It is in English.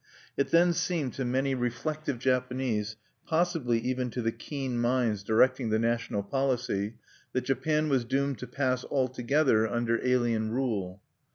It then seemed to many reflective Japanese, possibly even to the keen minds directing the national policy, that Japan was doomed to pass altogether under alien rule.